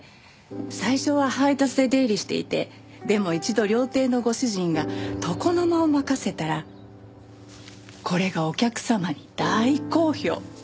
最初は配達で出入りしていてでも一度料亭のご主人が床の間を任せたらこれがお客様に大好評。